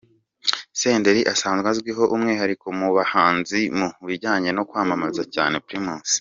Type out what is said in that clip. Senderi asanzwe azwiho umwihariko mu bahanzi mu bijyanye no kwamamaza cyane Primus.